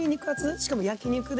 しかも焼肉で。